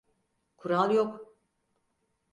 Kural yok.